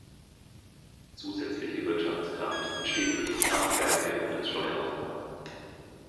Zusätzliche Wirtschaftskraft entsteht durch die Kraftwerke und das Steueraufkommen.